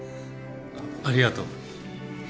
ありがとう。